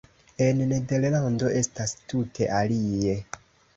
En Nederlando estas tute alie.